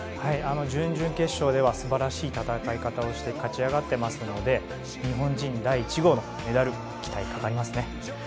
準々決勝では素晴らしい戦い方をして勝ち上がってますので日本人第１号のメダル期待がかかりますね。